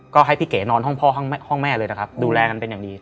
ก็ให้พี่เก๋นอนห้องพ่อห้องแม่เลยนะครับดูแลกันเป็นอย่างดี